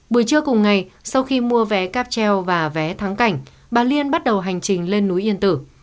buổi trưa cùng ngày sau khi mua vé cáp treo và vé thắng cảnh bà liên bắt đầu hành trình lên núi yên tử